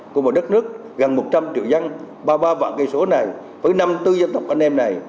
của một đất nước gần một trăm linh triệu dân ba mươi ba vạn kỳ số này với năm bốn gia tộc anh em này